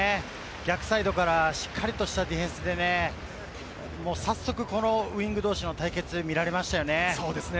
逆サイドからしっかりとしたディフェンスでね、早速このウイング同士の対決見られましたよね。